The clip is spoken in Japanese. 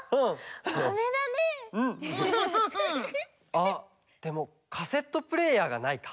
あっでもカセットプレーヤーがないか。